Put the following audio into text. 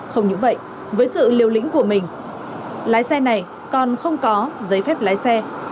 không những vậy với sự liều lĩnh của mình lái xe này còn không có giấy phép lái xe